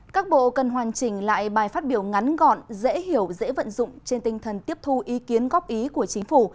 các bộ cần hoàn chỉnh lại bài phát biểu ngắn gọn dễ hiểu dễ vận dụng trên tinh thần tiếp thu ý kiến góp ý của chính phủ